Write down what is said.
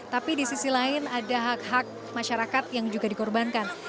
tapi di sisi lain ada hak hak masyarakat yang juga dikorbankan